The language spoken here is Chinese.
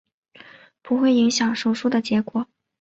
不会影响手术的结果。